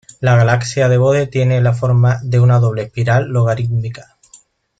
La Galaxia de Bode tiene la forma de una doble espiral logarítmica.